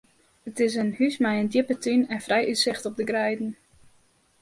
It is in hús mei in djippe tún en frij útsicht op de greiden.